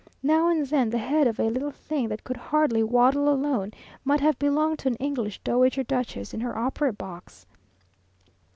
Now and then the head of a little thing that could hardly waddle alone, might have belonged to an English dowager duchess in her opera box.